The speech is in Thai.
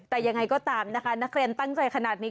แต่ยังไงก็ตามนะคะนักเรียนตั้งใจขนาดนี้